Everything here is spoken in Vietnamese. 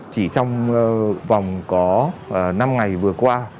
chỉ trong vòng có năm ngày vừa qua